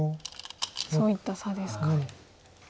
そういった差ですか。